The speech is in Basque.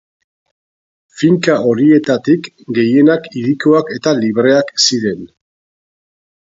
Finka horietatik, gehienak hirikoak eta libreak ziren.